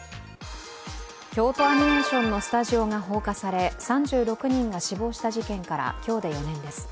京都アニメーションのスタジオが放火され、３６人が死亡し事件から今日で４年です。